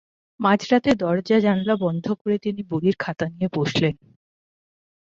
মাঝরাতে দরজা-জানালা বন্ধ করে তিনি বুড়ির খাতা নিয়ে বসলেন।